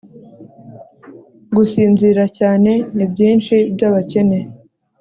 gusinzira cyane ni byinshi byabakene